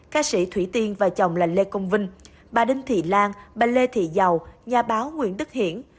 ca sĩ thủy tiên và chồng là lê công vinh bà đinh thị lan bà lê thị giàu nhà báo nguyễn đức hiển